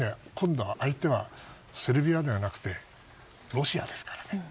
今度は相手はセルビアではなくてロシアですからね。